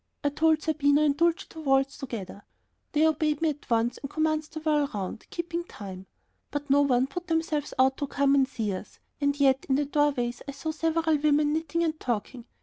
I told Zerbino and Dulcie to waltz together. They obeyed me at once and commenced to whirl round, keeping time. But no one put themselves out to come and see us, and yet in the doorways I saw several women knitting and talking.